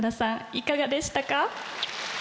いかがでしたか？